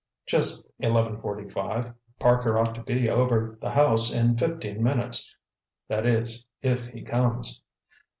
"Just eleven forty five. Parker ought to be over the house in fifteen minutes. That is, if he comes."